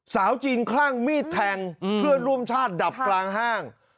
สาวจีนคลั่งมีดแทงเพื่อนร่วมชาติดับกลางห้าง